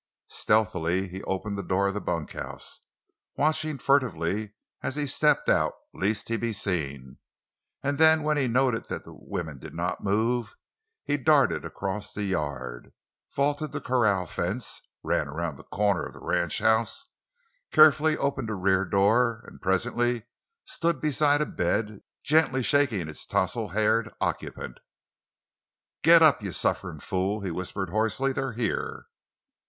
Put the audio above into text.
Stealthily he opened the door of the bunkhouse, watching furtively as he stepped out, lest he be seen; and then when he noted that the women did not move, he darted across the yard, vaulted the corral fence, ran around the corner of the ranchhouse, carefully opened a rear door, and presently stood beside a bed gently shaking its tousled haired occupant. "Git up, you sufferin' fool!" he whispered hoarsely; "they're here!"